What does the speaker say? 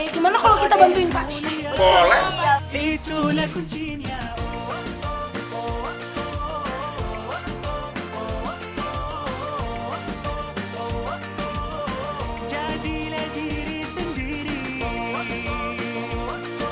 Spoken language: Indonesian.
gimana kalau kita bantuin pak d